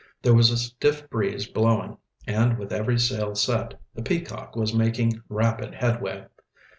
There was a stiff breeze blowing and, with every sail set, the Peacock was making rapid headway.